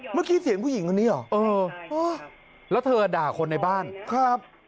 เมื่อกี้เสียงผู้หญิงคนนี้เหรอเออแล้วเธอด่าคนในบ้านครับ